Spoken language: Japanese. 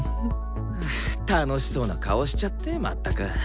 楽しそうな顔しちゃってまったく。